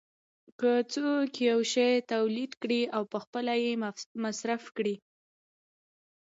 که څوک یو شی تولید کړي او پخپله یې مصرف کړي